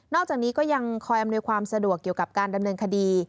จากนี้ก็ยังคอยอำนวยความสะดวกเกี่ยวกับการดำเนินคดี